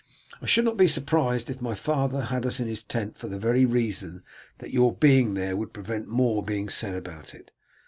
I should not be surprised if my father had us in his tent for the very reason that your being there would prevent more being said about it.